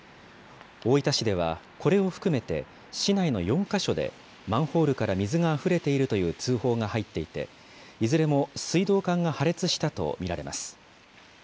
大分市ではこれを含めて市内の４か所でマンホールから水があふれているという通報が入っていて、いずれも水道管が破裂したと見られます。